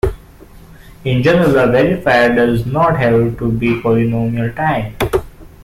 In general, a verifier does not have to be polynomial-time.